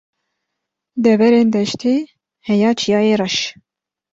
Deverên deştê heya Çiyayê reş